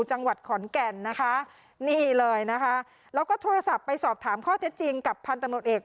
จังหวัดขอนแก่นนะคะนี่เลยนะคะแล้วก็โทรศัพท์ไปสอบถามข้อเท็จจริงกับพันตำรวจเอก